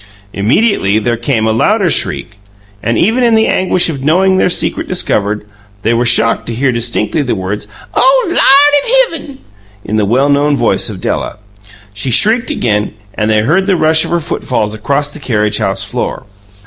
Immediately there came a louder shriek, and even in the anguish of knowing their secret discovered, they were shocked to hear distinctly the words, "O Lard in hivvin!" in the well known voice of Della. She shrieked again, and they heard the rush of her footfalls across the carriage house floor.